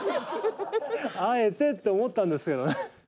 あえてって思ったんですけどね。